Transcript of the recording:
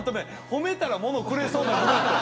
褒めたら物くれそうなグループと。